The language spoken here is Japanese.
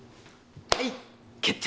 はい決定！